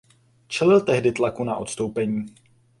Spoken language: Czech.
Čelil tehdy tlaku na odstoupení.